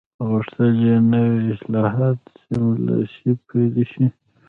غوښتل یې نوي اصلاحات سملاسي پلي شي.